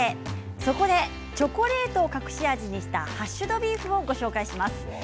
そこでチョコレートを隠し味にしたハッシュドビーフをご紹介します。